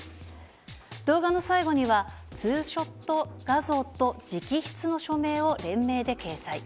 動画の最後には、ツーショット画像と直筆の署名を連名で掲載。